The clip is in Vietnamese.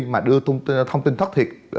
mà đưa thông tin thất thiệt